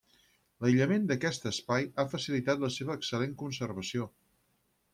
L’aïllament d’aquest espai ha facilitat la seva excel·lent conservació.